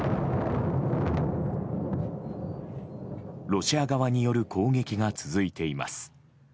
ロシア側による攻撃が続いています。